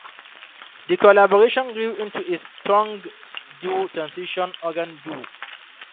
This collaboration grew into a strong duo "Transitions Organ duo".